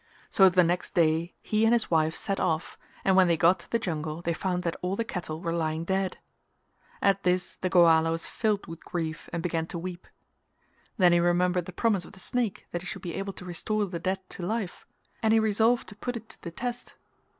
So the next day he and his wife set off and when they got to the jungle they found that all the cattle were lying dead. At this the Goala was filled with grief and began to weep; then he remembered the promise of the snake that he should be able to restore the dead to life and he resolved to put it to the test.